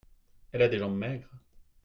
elle a des jambes maigres.